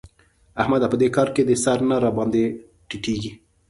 احمده! په دې کار کې دي سر نه راباندې ټيټېږي.